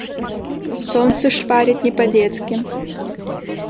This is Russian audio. Солнце шпарит не по-детски!